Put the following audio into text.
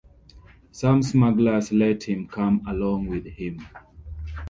Some smugglers let him come along with him.